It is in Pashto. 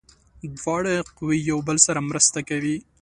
دواړه قوې یو بل سره مرسته کوي.